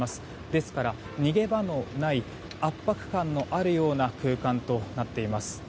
ですから、逃げ場のない圧迫感のあるような空間となっています。